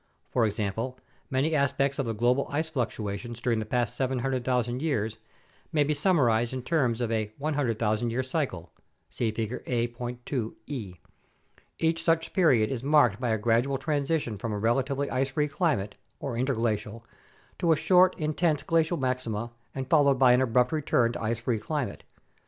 For example, many aspects of the global ice fluctuations during the last 700,000 years may be summarized in terms of a 100,000 year cycle [see Figure A.2(e)]. Each such period is marked by a gradual transition from a relatively ice free climate (or interglacial) to a short, intense glacial maxima and followed by an abrupt return to ice free climate.